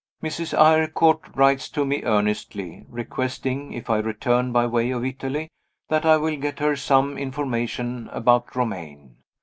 Mrs. Eyrecourt writes to me earnestly, requesting, if I return by way of Italy, that I will get her some information about Romayne.